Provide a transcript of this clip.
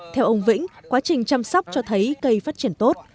theo ông vĩnh quá trình chăm sóc cho thấy cây phát triển tốt